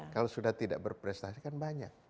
kalau sudah tidak berprestasi kan banyak